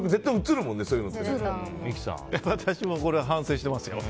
私も反省してますよ。